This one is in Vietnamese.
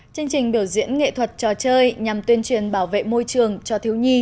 chương trình biểu diễn nghệ thuật trò chơi nhằm tuyên truyền bảo vệ môi trường cho thiếu nhi